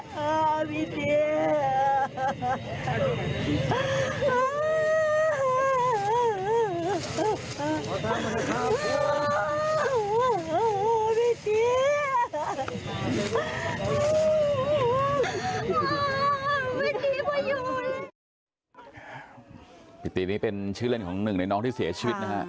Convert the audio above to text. พี่ตี๋พออยู่เลยพี่ตี๋นี่เป็นชื่อเล่นของหนึ่งในน้องที่เสียชีวิตนะฮะ